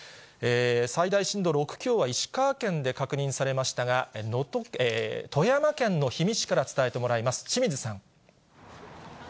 最大震度６強は石川県で確認されましたが、富山県の氷見市から伝えてもらいます。